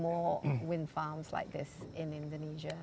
permukaan udara seperti ini di indonesia